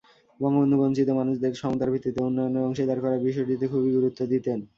বঙ্গবন্ধু বঞ্চিত মানুষদের সমতার ভিত্তিতে উন্নয়নের অংশীদার করার বিষয়টিতে খুবই গুরুত্ব দিতেন।